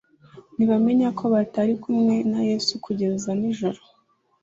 , ntibamenya ko batari kumwe na Yesu kugeza ninjoro